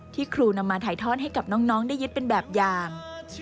ครูนำมาถ่ายทอดให้กับน้องได้ยึดเป็นแบบอย่าง